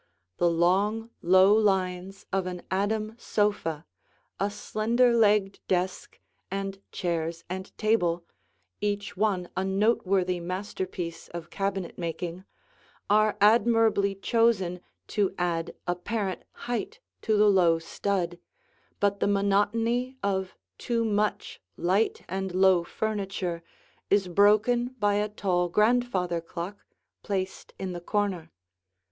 The long, low lines of an Adam sofa, a slender legged desk, and chairs and table, each one a noteworthy masterpiece of cabinet making, are admirably chosen to add apparent height to the low stud, but the monotony of too much light and low furniture is broken by a tall grandfather clock placed in the corner.